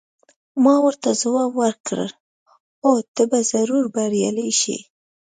ما ورته ځواب ورکړ: هو، ته به ضرور بریالۍ شې.